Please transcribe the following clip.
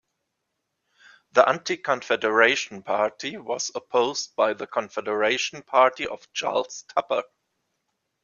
The Anti-Confederation Party was opposed by the Confederation Party of Charles Tupper.